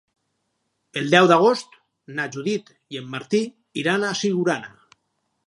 El deu d'agost na Judit i en Martí iran a Siurana.